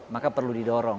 maka perlu didorong